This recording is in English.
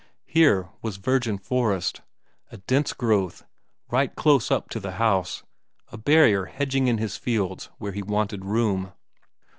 Here was virgin forest, a dense growth, right close up to the house, a barrier hedging in his fields where he wanted room.